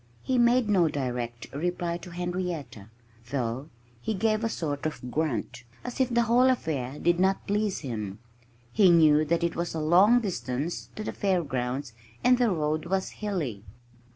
He made no direct reply to Henrietta, though he gave a sort of grunt, as if the whole affair did not please him. He knew that it was a long distance to the fairgrounds and the road was hilly.